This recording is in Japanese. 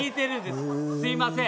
すいません